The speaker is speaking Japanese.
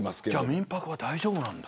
民泊は大丈夫なんだ。